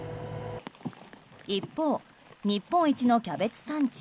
一方、日本一のキャベツ産地